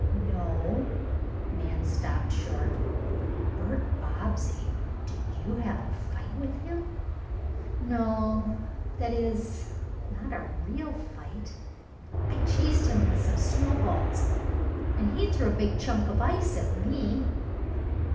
"No." Nan stopped short. "Bert Bobbsey, did you have a fight with him?" "No that is, not a real fight. I chased him with some snowballs and he threw a big chunk of ice at me."